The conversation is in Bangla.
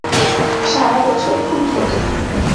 সারা বছর ফুল ফোটে।